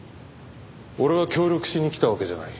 俺は協力しに来たわけじゃない。